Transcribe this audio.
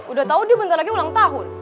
udah tahu dia bentar lagi ulang tahun